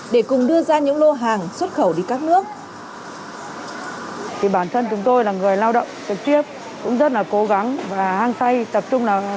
để cùng đưa ra những lô hàng xuất khẩu đi các nước